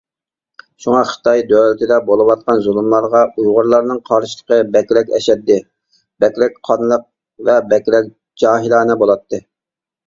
شۇڭا خىتاي دۆلىتىدە بولۇۋاتقان زۇلۇملارغا ئۇيغۇرلارنىڭ قارشىلىقى بەكرەك ئەشەددىي، بەكرەك قانلىق ۋە بەكرەك جاھىلانە بولاتتى.